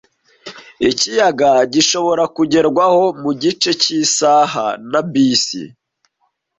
Ikiyaga gishobora kugerwaho mugice cyisaha na bisi.